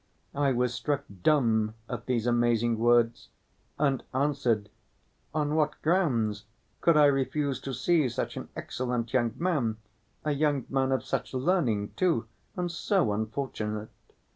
I was struck dumb at these amazing words, and answered, 'On what grounds could I refuse to see such an excellent young man, a young man of such learning too, and so unfortunate?